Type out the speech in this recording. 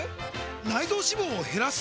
内臓脂肪を減らす！？